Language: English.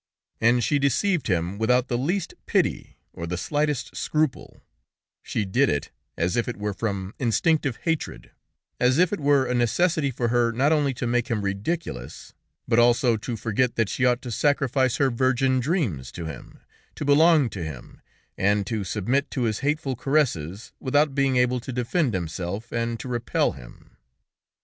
And she deceived him without the least pity or the slightest scruple; she did it as if it were from instinctive hatred, as if it were a necessity for her not only to make him ridiculous, but also to forget that she ought to sacrifice her virgin dreams to him, to belong to him, and to submit to his hateful caresses without being able to defend himself and to repel him.